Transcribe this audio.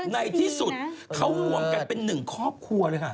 ในที่สุดเขารวมกันเป็นหนึ่งครอบครัวเลยค่ะ